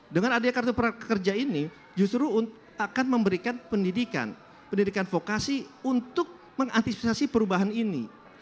dengan adanya kartu prakerja ini justru akan memberikan pendidikan vokasi untuk mengantisipasi perubahan ini